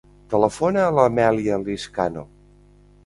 Telefona a l'Amèlia Lizcano.